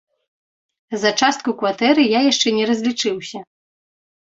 За частку кватэры я яшчэ не разлічыўся.